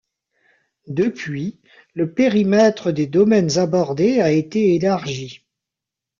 Depuis, le périmètre des domaines abordés a été élargi.